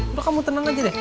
terus kamu tenang aja deh